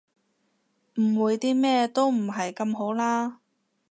誤會啲咩都唔係咁好啦